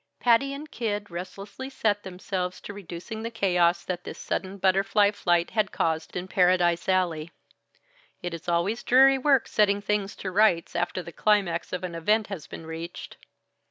Patty and Kid restlessly set themselves to reducing the chaos that this sudden butterfly flight had caused in Paradise Alley it is always dreary work setting things to rights, after the climax of an event has been reached.